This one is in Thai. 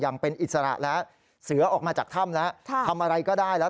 อย่างเป็นอิสระแล้วเสือออกมาจากถ้ำแล้วทำอะไรก็ได้แล้ว